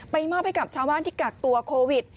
มอบให้กับชาวบ้านที่กักตัวโควิด